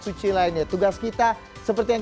suci lainnya tugas kita seperti yang